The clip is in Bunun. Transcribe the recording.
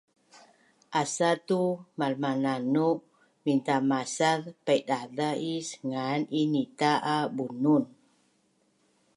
“Asatu malmananu mintamasaz paidaza’ is ngan i nita a Bunun”